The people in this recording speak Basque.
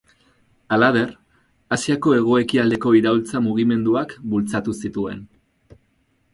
Halaber, Asiako hego-ekialdeko iraultza mugimenduak bultzatu zituen.